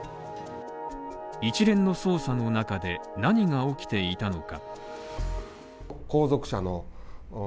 一連の捜査の中で何が起きていたのか。